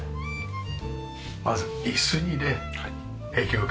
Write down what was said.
まず椅子にね影響受けますね。